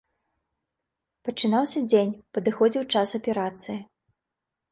Пачынаўся дзень, падыходзіў час аперацыі.